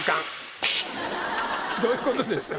どういうことですか？